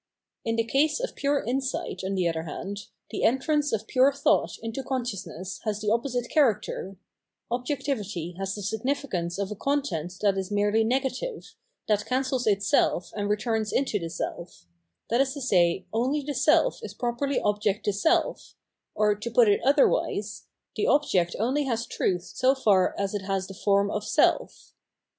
In the case of pure insight, on the other hand, the entrance of pure thought into consciousness has the opposite character : objectivity has the significance of a content that is merely negative, that cancels itself and returns into the self ; that is to say, only the self is properly object to self, or, to put it otherwise, the object only has truth so far as it has the form of self.